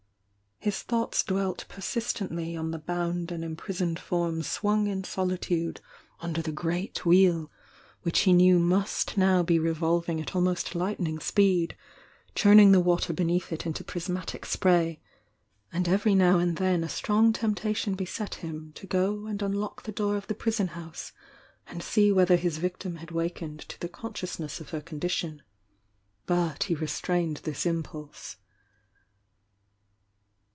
His thoughts dvelt reisistently on the bound and imprisoned form cwung in solitude under the great THE YOUNG DIANA 297 Wheel, which he knew must now be revolving at almost lightning speed, churning the water beneath it into prismatic spray, — and every now and then a strong temptation beset him to go and unlock ■'>e door of the prison house, and see whether his victim had wakened to the consciousness of her con dition. But he restraincfl this impulse.